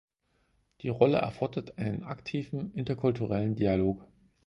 Diese Rolle erfordert einen aktiven interkulturellen Dialog.